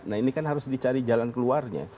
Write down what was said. nah ini kan harus dicari jalan keluarnya